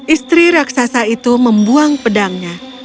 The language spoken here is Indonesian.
istri raksasa itu membuang pedangnya